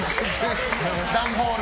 段ボール